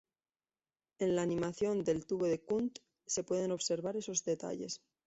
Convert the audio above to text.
En la animación del Tubo de Kundt se pueden observar estos detalles.